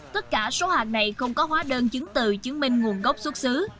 tất cả số hàng này không có hóa đơn chứng từ chứng minh nguồn gốc xuất xứ